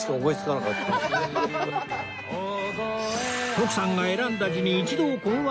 徳さんが選んだ字に一同困惑